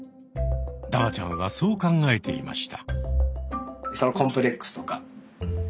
ダバちゃんはそう考えていました。